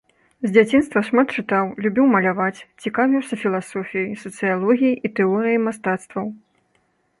З дзяцінства шмат чытаў, любіў маляваць, цікавіўся філасофіяй, сацыялогіяй і тэорыяй мастацтваў.